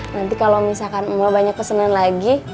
nanti kalau misalkan mau banyak pesanan lagi